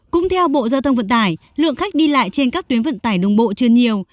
cũng theo bộ giao thông vận tải lượng khách đi lại trên các tuyến vận tải đường bộ chưa nhiều